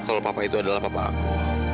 bisa tau kalau papa itu adalah papa aku